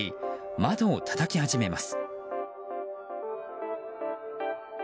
窓をたたき始めます。